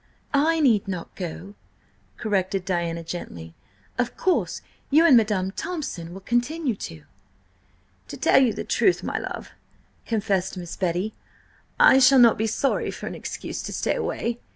"I need not go," corrected Diana gently. "Of course you and Madam Thompson will continue to." "To tell the truth, my love," confessed Miss Betty, "I shall not be sorry for an excuse to stay away.